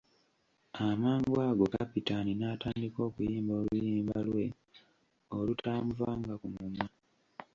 Amangu ago Kapitaani n'atandika okuyimba oluyimba lwe olutaamuvanga ku mumwa.